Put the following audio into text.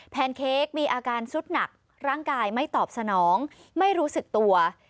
แนนเค้กมีอาการสุดหนักร่างกายไม่ตอบสนองไม่รู้สึกตัว